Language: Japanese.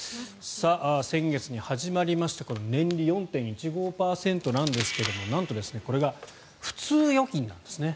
先月に始まりました年利４．１５％なんですがなんとこれが普通預金なんですね。